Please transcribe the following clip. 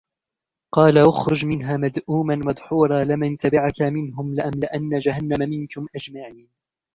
قَالَ اخْرُجْ مِنْهَا مَذْءُومًا مَدْحُورًا لَمَنْ تَبِعَكَ مِنْهُمْ لَأَمْلَأَنَّ جَهَنَّمَ مِنْكُمْ أَجْمَعِينَ